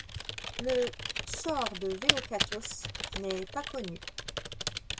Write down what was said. Le sort de Vellocatos n’est pas connu.